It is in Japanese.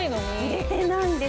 入れてないんです。